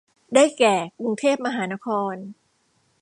ได้แก่กรุงเทพมหานคร